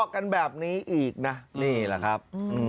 ขอบคุณครับ